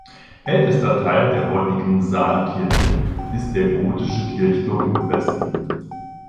Ältester Teil der heutigen Saalkirche ist der gotische Kirchturm im Westen.